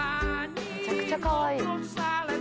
めちゃくちゃかわいい。